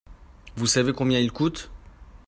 Vous savez combien il coûte ?